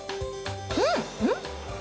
うん、うん？